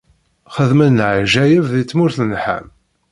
Xedmen leɛǧayeb di tmurt n Ḥam.